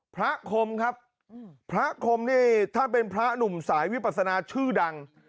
คมครับพระคมนี่ท่านเป็นพระหนุ่มสายวิปัสนาชื่อดัง